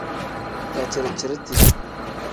Daciri-ciriti.